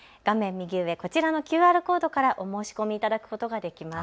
右上、こちらのＱＲコードからお申し込みいただくことができます。